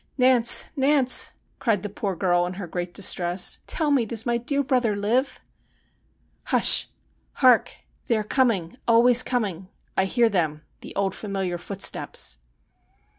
'Nance, Nance,' cried the poor girl in her great distress. ' tell me, does my dear brother live ?'' Hush ! Hark ! They are coming — always coming. I hear them ; the old familiar footsteps.'